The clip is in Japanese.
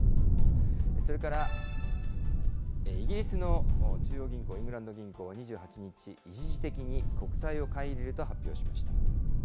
それから、イギリスの中央銀行、イングランド銀行は２８日、一時的に国債を買い入れると発表しま